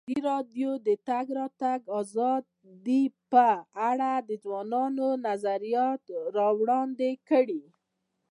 ازادي راډیو د د تګ راتګ ازادي په اړه د ځوانانو نظریات وړاندې کړي.